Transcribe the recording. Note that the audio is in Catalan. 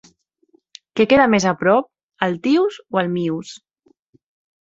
Què queda més a prop, el Tius o el Mius?